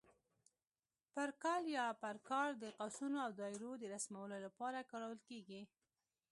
پر کال یا پر کار د قوسونو او دایرو د رسمولو لپاره کارول کېږي.